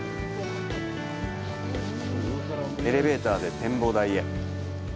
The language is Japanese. エレベーターで展望台へ。